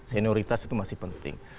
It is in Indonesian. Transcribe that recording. senioritas itu masih penting